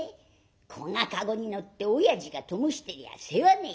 こんな駕籠に乗って親父がともしてりゃ世話ねえや」。